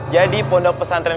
jadi pondok pesantren